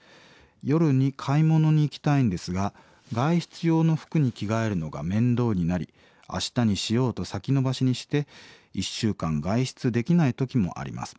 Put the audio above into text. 夜に買い物に行きたいんですが外出用の服に着替えるのが面倒になり明日にしようと先延ばしにして１週間外出できない時もあります。